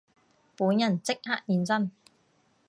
本人即刻現身